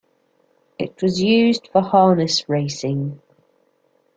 It was used for harness racing.